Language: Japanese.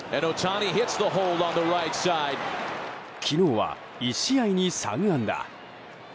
昨日は１試合に３安打。